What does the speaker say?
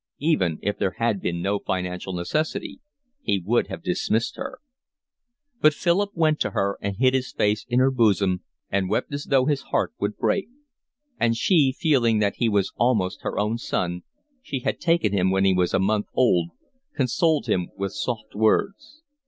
Even if there had been no financial necessity, he would have dismissed her. But Philip went to her, and hid his face in her bosom, and wept as though his heart would break. And she, feeling that he was almost her own son—she had taken him when he was a month old—consoled him with soft words.